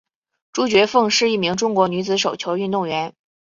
朱觉凤是一名中国女子手球运动员。